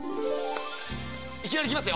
いきなり来ますよ。